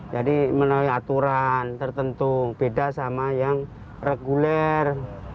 jadi menurut aturan tertentu beda sama yang reguler